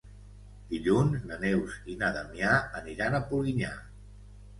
Dilluns na Neus i na Damià aniran a Polinyà.